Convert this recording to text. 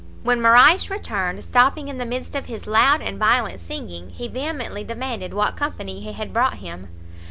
When Morrice returned, stopping in the midst of his loud and violent singing, he vehemently demanded what company he had brought him?